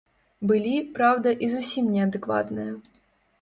Былі, праўда, і зусім неадэкватныя.